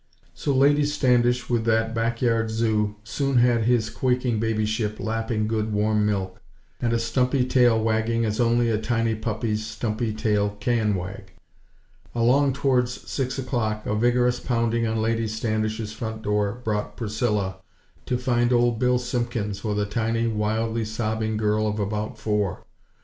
So Lady Standish, with that "back yard zoo" soon had his quaking babyship lapping good warm milk, and a stumpy tail wagging as only a tiny puppy's stumpy tail can wag. Along towards six o'clock a vigorous pounding on Lady Standish's front door brought Priscilla, to find Old Bill Simpkins with a tiny, wildly sobbing girl of about four.